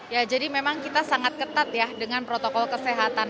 ya jadi memang kita sangat ketat ya dengan protokol kesehatan